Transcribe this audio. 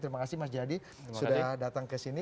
terima kasih mas jaya di sudah datang ke sini